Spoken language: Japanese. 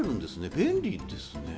便利ですね。